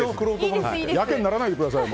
やけにならないでください。